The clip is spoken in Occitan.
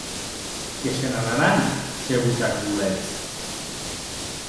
Que se n’anaràn se vos ac voletz.